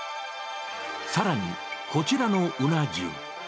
さらに、こちらのうな重。